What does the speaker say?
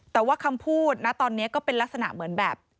แต่ว่าคำพูดนะตอนนี้ก็เป็นลักษณะเหมือนแบบ